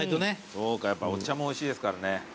そうかやっぱお茶もおいしいですからね。